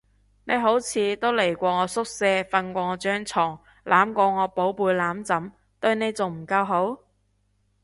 你好似都嚟我宿舍瞓過我張床，攬過我寶貝攬枕，對你仲唔夠好？